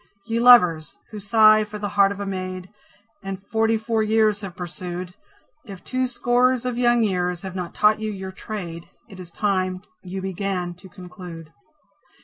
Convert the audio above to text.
Ye Lovers, who sigh for the heart of a maid, And forty four years have pursued, If two scores of young years have not taught you your trade, It is time you began to conclude.